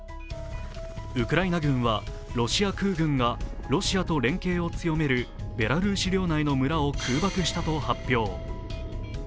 ウクライナ軍はロシア空軍がロシアと連携を強めるベラルーシ領内の村を空爆したと発表。